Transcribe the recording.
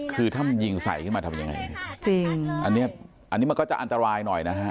คือถ้ามันยิงใส่ขึ้นมาทำยังไงจริงอันนี้อันนี้มันก็จะอันตรายหน่อยนะฮะ